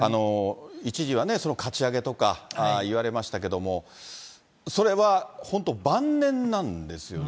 一時はかち上げとかいわれましたけども、それは本当、晩年なんですよね。